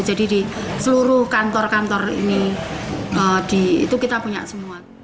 jadi di seluruh kantor kantor ini itu kita punya semua